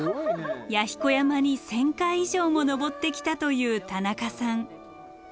弥彦山に１，０００回以上も登ってきたという田中さん。